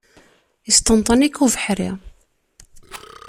Yesṭenṭen-ik ubeḥri.